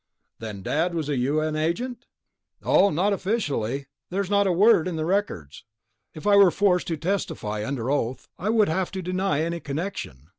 "Then Dad was a U.N. agent?" "Oh, not officially. There's not a word in the records. If I were forced to testify under oath, I would have to deny any connection.